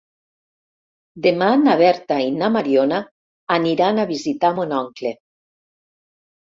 Demà na Berta i na Mariona aniran a visitar mon oncle.